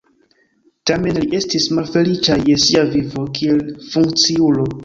Tamen li estis malfeliĉa je sia vivo kiel funkciulo.